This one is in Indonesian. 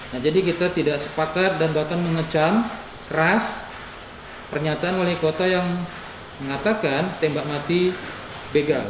nah jadi kita tidak sepakat dan bahkan mengecam keras pernyataan wali kota yang mengatakan tembak mati begal